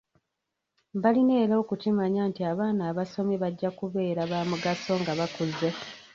Balina era okukimanya nti abaana abasomye bajja kubeera baamugaso nga bakuze.